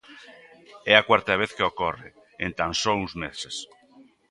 É a cuarta vez que ocorre en tan só uns meses.